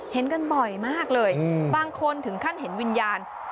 เห็นกันบ่อยมากเลยบางคนถึงขั้นเห็นวิญญาณ